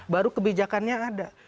baru kebijakannya ada